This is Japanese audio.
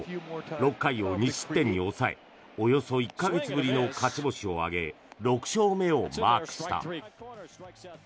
６回を２失点に抑えおよそ１か月ぶりの勝ち星を挙げ６勝目をマークした。